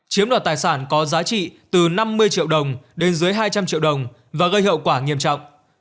chiếm đoạt tài sản có giá trị từ năm mươi triệu đồng đến dưới hai trăm linh triệu đồng và gây hậu quả nghiêm trọng